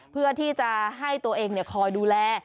เพื่อที่จะให้ตัวเองคอยดูแล